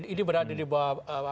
ini berada di bawah